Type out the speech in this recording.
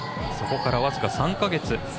そこから、僅か３か月。